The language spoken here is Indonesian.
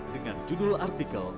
dengan judul artikel